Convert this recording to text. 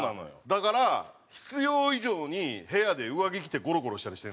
だから必要以上に部屋で上着着てゴロゴロしたりしてる。